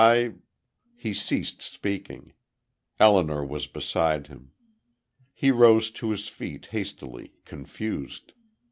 I " He ceased speaking. Elinor was beside him. He rose to his feet, hastily, confused.